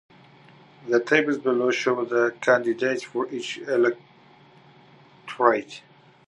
The tables below show the candidates for each electorate.